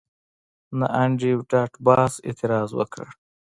نه انډریو ډاټ باس اعتراض وکړ